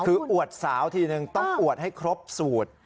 คืออวดสาวทีนึงต้องอวดให้ครบสูตร